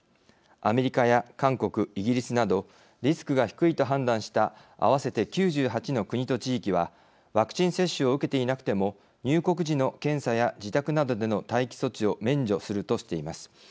アメリカや韓国、イギリスなどリスクが低いと判断した合わせて９８の国と地域はワクチン接種を受けていなくても入国時の検査や自宅などでの待機措置を免除するとしています。